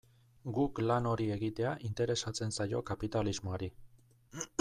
Guk lan hori egitea interesatzen zaio kapitalismoari.